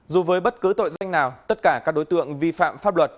dù với bất cứ tội danh nào tất cả các đối tượng vi phạm pháp luật